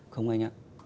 không anh ạ